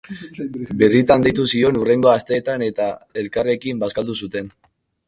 Birritan deitu zion hurrengo asteetan eta elkarrekin bazkaldu zuten.